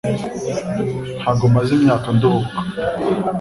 Ntabwo maze imyaka nduhuka